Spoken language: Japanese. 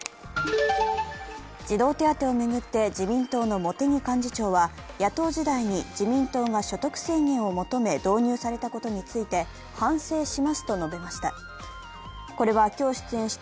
児童手当を巡って自民党の茂木幹事長は野党時代に自民党が所得制限を求め導入されたことについて反省しますと述べました。